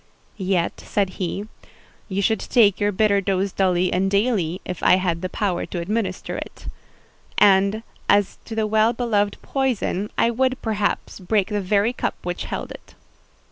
"Yet," said he, "you should take your bitter dose duly and daily, if I had the power to administer it; and, as to the well beloved poison, I would, perhaps, break the very cup which held it."